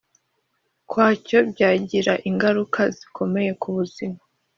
Kwacyo byagira ingaruka zikomeye ku buzima